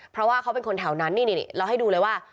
เพราะว่าเขาเป็นคนแถวนั้นนี่เราให้ดูเลยว่า